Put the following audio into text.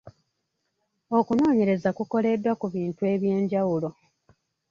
Okunoonyereza kukoleddwa ku bintu eby’enjawulo.